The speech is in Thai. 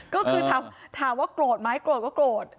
ก็คือถามว่าโกรธไหมโกรธก็โกรธ